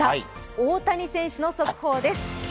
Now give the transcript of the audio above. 大谷選手の速報です。